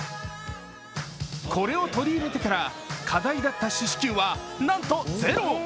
これを取り入れてから、課題だった四死球は、なんとゼロ！